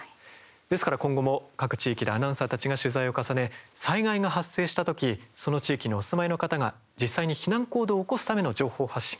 ですから、今後も各地域でアナウンサーたちが取材を重ね災害が発生した時その地域にお住まいの方が実際に避難行動を起こすための情報発信